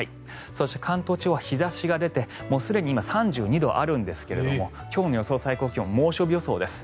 そして、関東地方は日差しが出て今すでに３２度あるんですが今日の予想最高気温猛暑日予想です。